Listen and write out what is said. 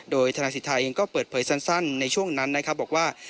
โดยธนาสิทธิยังเปิดเผยสั้นในช่วงนั้นบอกว่า